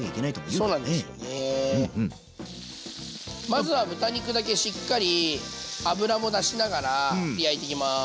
まずは豚肉だけしっかり脂も出しながら焼いていきます。